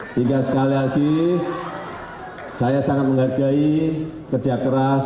sehingga sekali lagi saya sangat menghargai kerja keras